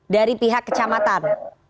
dari pihak kecamatan